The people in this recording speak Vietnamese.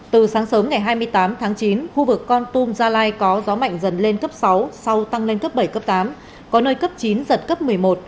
từ sáng sớm ngày hai mươi tám tháng chín khu vực con tum gia lai có gió mạnh dần lên cấp sáu sau tăng lên cấp bảy cấp tám có nơi cấp chín giật cấp một mươi một